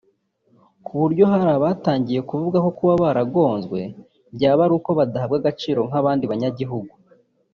kuburyo hari n’abatangiye kuvuga ko kuba baragonzwe byaba ari uko badahabwa agaciro nk’abandi banyagihugu